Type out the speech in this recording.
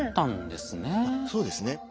そうですね。